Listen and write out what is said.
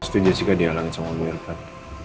pasti jessica dialami sama om wilkart